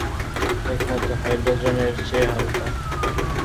একমাত্র হাইড্রোজেন এর চেয়ে হালকা।